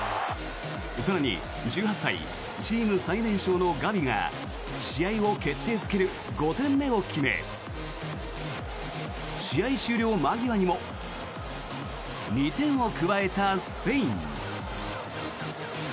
更に１８歳、チーム最年少のガビが試合を決定付ける５点目を決め試合終了間際にも２点を加えたスペイン。